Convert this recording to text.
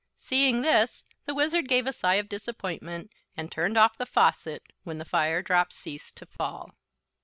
Seeing this the Wizard gave a sigh of disappointment and turned off the faucet, when the fire drops ceased to fall.